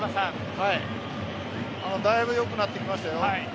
だいぶよくなってきましたよ。